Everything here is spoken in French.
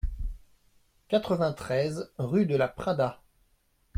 quatre-vingt-treize rue de la Pradat